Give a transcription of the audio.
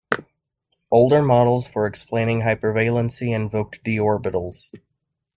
Older models for explaining hypervalency invoked "d" orbitals.